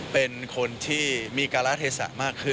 เป็นคนที่มีการละเทศะมากขึ้น